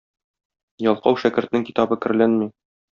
Ялкау шәкертнең китабы керләнми.